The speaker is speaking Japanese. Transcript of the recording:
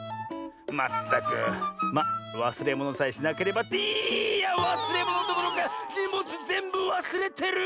まったくまあわすれものさえしなければっていやわすれものどころかにもつぜんぶわすれてる！